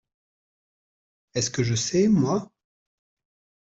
Est-ce que je sais, moi ?